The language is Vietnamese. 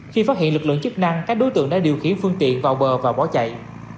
khi phát hiện lực lượng chức năng các đối tượng đã điều khiển phương tiện vào bờ và bỏ chạy